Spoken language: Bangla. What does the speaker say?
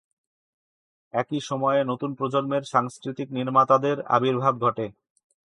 একই সময়ে নতুন প্রজন্মের সাংস্কৃতিক নির্মাতাদের আবির্ভাব ঘটে।